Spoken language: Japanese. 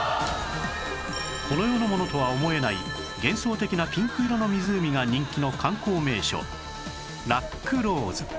この世のものとは思えない幻想的なピンク色の湖が人気の観光名所ラックローズ